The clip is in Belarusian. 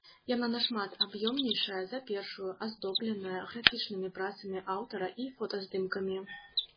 Яна нашмат аб'ёмнейшая за першую, аздобленая графічнымі працамі аўтара і фотаздымкамі.